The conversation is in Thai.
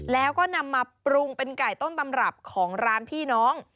แล้วก็นำมาปรุงเป็นไก่ต้นตำรับของร้านพี่น้อง